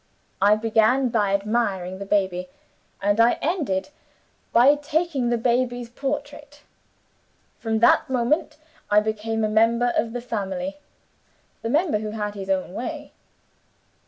I began by admiring the baby; and I ended by taking the baby's portrait. From that moment I became a member of the family the member who had his own way.